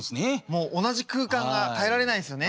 もう同じ空間が耐えられないんですよね。